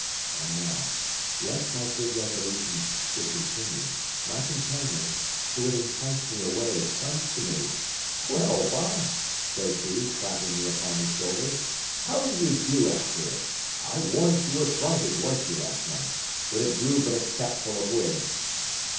And now, lest my good resolutions should continue, my companion, who had enticed me away, comes to me; "Well, Bob," says he, clapping me upon the shoulder, "how do you do after it? I warrant you were frighted, wer'n't you, last night, when it blew but a capful of wind?"